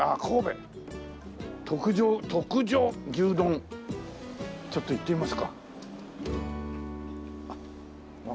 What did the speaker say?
「特上」「特上牛丼」ちょっと行ってみますか。